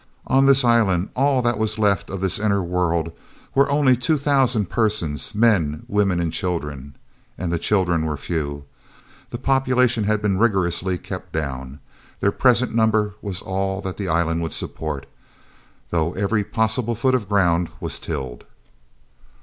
On the island, all that was left of this inner world, were only some two thousand persons, men, women and children. And the children were few; the population had been rigorously kept down. Their present number was all that the island would support, though every possible foot of ground was tilled.